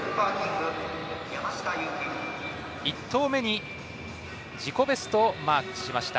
１投目に、自己ベストをマーク。